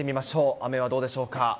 雨はどうでしょうか。